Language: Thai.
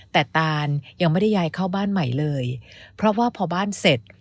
แต่ตานยังไม่ได้ย้ายเข้าบ้านใหม่เลยเพราะว่าพอบ้านเสร็จ